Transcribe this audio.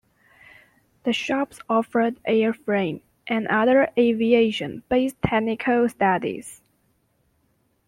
The shops offered Airframe, and other aviation based technical studies.